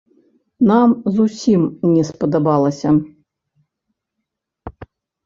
Нам зусім не спадабалася.